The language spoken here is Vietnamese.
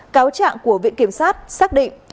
cáo trạng của viện kiểm soát xác định